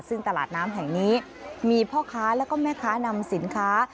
ซึ่งตลาดน้ำแห่งนี้มีพ่อค้าแล้วก็แม่ค้านำสินค้า